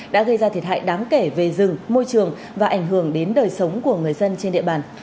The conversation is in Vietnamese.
đã gây ra thiệt hại đáng kể về rừng môi trường và ảnh hưởng đến đời sống của người dân trên địa bàn